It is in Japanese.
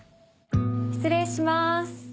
失礼します。